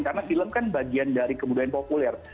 karena film kan bagian dari kebudayaan populer